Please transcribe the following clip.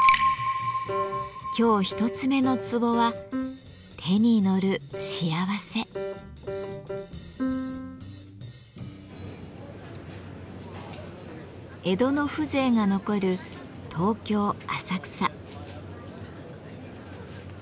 今日一つ目のツボは江戸の風情が残る東京・浅草。